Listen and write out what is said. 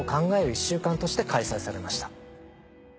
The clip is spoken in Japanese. １週間として開催されました。